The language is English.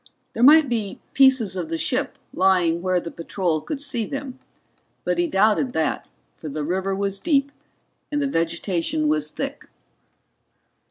There might be pieces of the ship lying where the patrol could see them. But he doubted that, for the river was deep and the vegetation was thick.